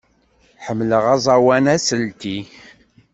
Ḥemmleɣ aẓawan aselti.